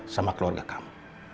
sama keluarga kamu